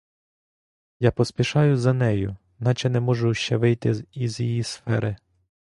Я поспішаю за нею, наче не можу ще вийти із її сфери.